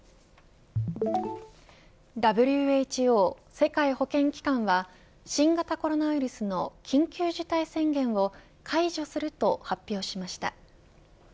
ＷＨＯ世界保健機関は新型コロナウイルスの緊急事態宣言を解除すると発表しました。